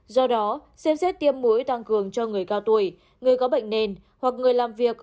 do đó xem xét tiêm mũi tăng cường cho người cao tuổi người có bệnh nền hoặc người làm việc